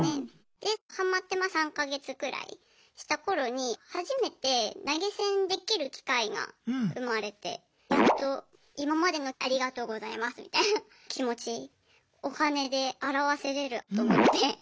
でハマってまあ３か月くらいした頃に初めて投げ銭できる機会が生まれてやっと今までの「ありがとうございます」みたいな気持ちお金で表せれると思って。